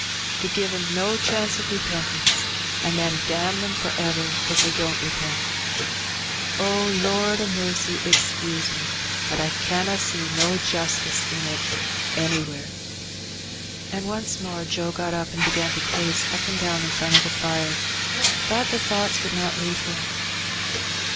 to give ^em no chance o' repentance, an' then damn them for ever 'cause they don't repent ! O Lord a mercy, excuse me, but I canna see no justice in it anywhere.'' And once more Joe got up and began to pace up and down in front of the fire; but the thoughts would not leave him.